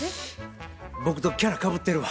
僕とキャラかぶってるわ。